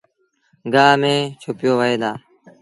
گآه ميݩ ڇُپيو وهيݩ دآ